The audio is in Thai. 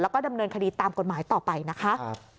แล้วก็ดำเนินคดีตามกฎหมายต่อไปนะคะ